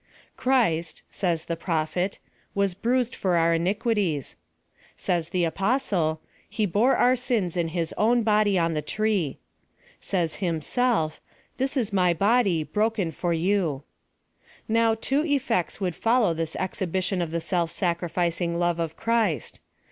" Christ," says the Prophet, "was bruised for our iniquities ;" says the Apostle, " He bore our sins in his own body on the tree ;" says Himself, " this is my body broken for yoii^ Now, two effects would follow this exhibition of the self sacrificing love of Christ.